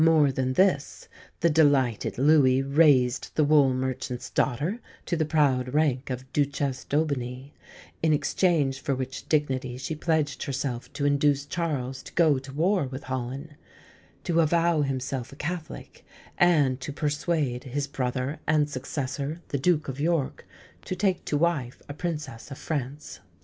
More than this, the delighted Louis raised the wool merchant's daughter to the proud rank of Duchesse d'Aubigny, in exchange for which dignity she pledged herself to induce Charles to go to war with Holland; to avow himself a Catholic; and to persuade his brother and successor, the Duke of York, to take to wife a Princess of France.